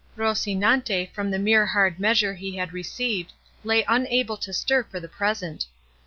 Rocinante from the mere hard measure he had received lay unable to stir for the present.